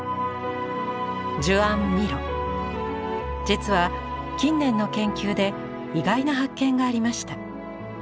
実は近年の研究で意外な発見がありました。